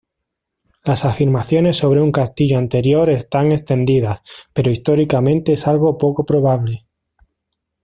Las afirmaciones sobre un castillo anterior están extendidas, pero históricamente es algo poco probable.